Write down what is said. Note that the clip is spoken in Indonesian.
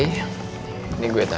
ini gue tanda tangan ya